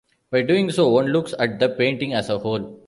By doing so, one looks at the painting as a whole.